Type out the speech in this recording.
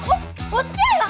おお付き合いは？